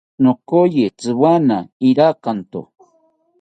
Nokoyi tziwana irakanto